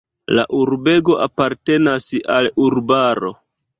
La urbego apartenas al urbaro.